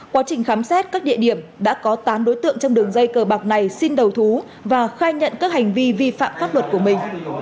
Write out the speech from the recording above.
quá trình khám xét các địa điểm đã có tám đối tượng trong đường dây cờ bạc này xin đầu thú và khai nhận các hành vi vi phạm pháp luật của mình